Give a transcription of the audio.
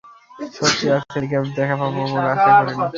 সত্যিই আজ হেলিকপ্টারের দেখা পাবো বলে আশা করিনি।